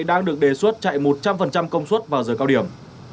đang được đề xuất chạy một trăm linh công suất vào giờ cao điểm